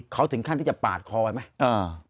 เขาถึงขั้นที่จะปาดคอไว้ไหม